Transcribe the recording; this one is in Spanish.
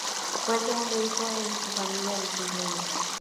Fue el segundo hijo en una familia de seis niños.